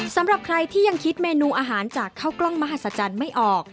สำหรับใครที่ยังคิดเมนูอาหารจากข้าวกล้องมหัศจรรย์ไม่ออก